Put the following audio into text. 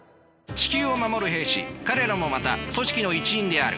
地球を守る兵士彼らもまた組織の一員である。